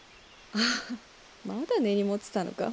ああまだ根に持ってたのか？